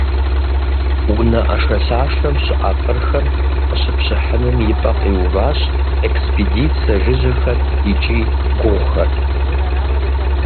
Унэ ӏэшэлъашэм щыӏэ къырхэм къыщыпщыхьыным и пӏэ къиуващ экспедицэ жыжьэхэр икӏи гугъухэр.